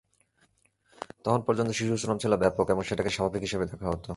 তখন পর্যন্ত শিশুশ্রম ছিল ব্যাপক এবং সেটাকে স্বাভাবিক হিসেবে দেখা হতো।